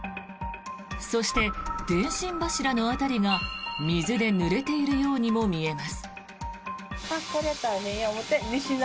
そして、電信柱の辺りが水でぬれているようにも見えます。